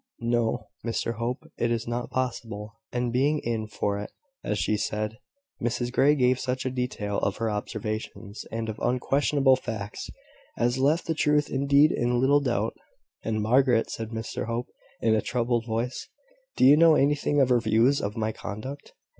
"No, Mr Hope, it is not possible." And being in for it, as she said, Mrs Grey gave such a detail of her observations, and of unquestionable facts, as left the truth indeed in little doubt. "And Margaret," said Mr Hope, in a troubled voice: "do you know anything of her views of my conduct?"